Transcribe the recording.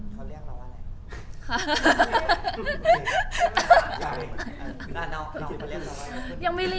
เขาเรียกเราว่าอะไร